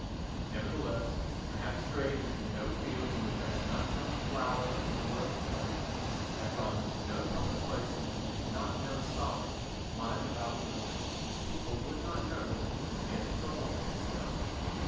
Nevertheless, I have strayed into no field in which I have not found a flower that was worth the finding, I have gone into no public place in which I have not found sovereigns lying about on the ground which people would not notice and be at the trouble of picking up.